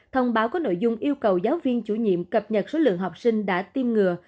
thông báo có nội dung yêu cầu giáo viên chủ nhiệm cập nhật số lượng học sinh đã tiêm ngừa